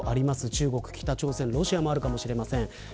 中国、北朝鮮、ロシアもあるかもしれません。